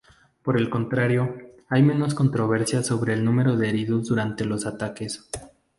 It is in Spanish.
Por el contrario, hay menos controversia sobre el número de heridos durante los ataques.